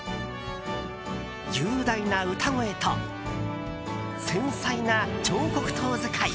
雄大な歌声と繊細な彫刻刀使い。